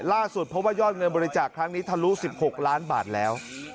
ล่าสุดเพราะว่ายอดเงินบริจาคครั้งนี้ทะลุ๑๖ล้านบาทแล้ว